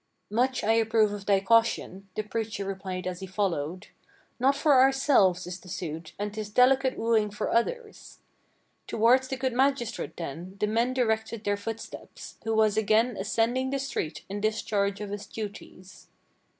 "Much I approve of thy caution," the preacher replied as he followed. "Not for ourselves is the suit, and 'tis delicate wooing for others." Towards the good magistrate, then, the men directed their footsteps, Who was again ascending the street in discharge of his duties.